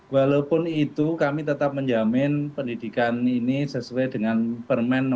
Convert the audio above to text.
walaupun itu kami tetap menjamin pendidikan ini sesuai dengan permen no dua dua ribu dua puluh empat